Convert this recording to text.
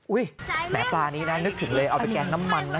แหมปลานี้นะนึกถึงเลยเอาไปแกงน้ำมันนะ